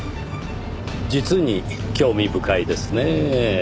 実に興味深いですねぇ。